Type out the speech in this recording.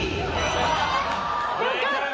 よかった！